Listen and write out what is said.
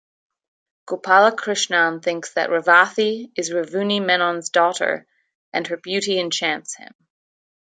Gopalakrishnan thinks that Revathi is Ravunni Menon's daughter and her beauty enchants him.